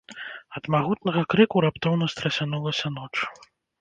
Ад магутнага крыку раптоўна страсянулася ноч.